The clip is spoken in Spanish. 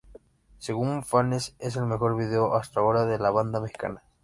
Según fanes es el mejor video hasta ahora de la banda mexicana.